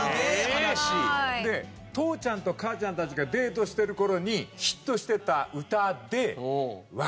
父ちゃんと母ちゃんたちがデートしてる頃にヒットしてた歌で。